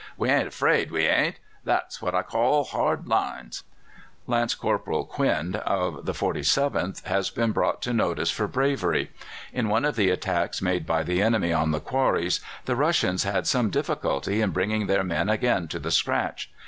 We ain't afraid, we ain't. That's what I call hard lines.' "Lance Corporal Quin, of the 47th, has been brought to notice for bravery. In one of the attacks made by the enemy on the quarries the Russians had some difficulty in bringing their men again to the scratch.